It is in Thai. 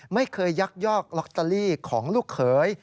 ไม่เคยยักยอกลอตเตอรี่ของลูกเขย